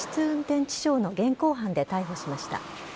運転致傷の現行犯で逮捕しました。